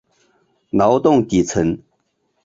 劳动底层